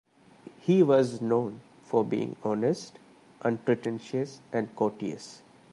He was known for being honest, unpretentious and courteous.